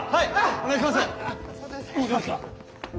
お願いします。